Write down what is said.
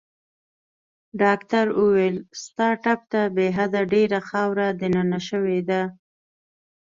ډاکټر وویل: ستا ټپ ته بې حده ډېره خاوره دننه شوې ده.